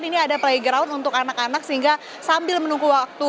jadi ini ada playground untuk anak anak sehingga sambil menunggu waktunya